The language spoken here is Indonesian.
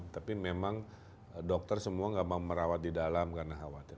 tapi memang dokter semua nggak mau merawat di dalam karena khawatir